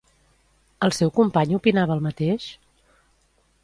El seu company opinava el mateix?